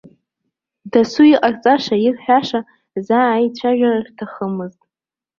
Дасу иҟарҵаша, ирҳәаша, заа аицәажәара рҭахымызт.